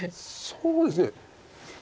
そうですね。